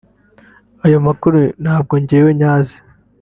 ayo makuru ntabwo njyewe nyazi